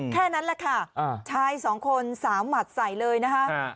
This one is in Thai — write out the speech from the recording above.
แค่นั้นแหละค่ะชายสองคนสาวหมัดใส่เลยนะคะ